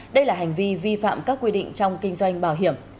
đây là hành vi vi phạm các quy định trong kinh doanh bảo hiểm